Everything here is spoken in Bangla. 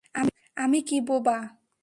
আমি কি বোবা?